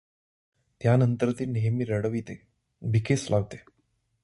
त्यानंतर ते नेहमी रडविते; भिकेस लावते.